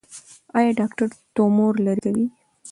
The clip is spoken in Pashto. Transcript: ایا ډاکټر تومور لرې کوي؟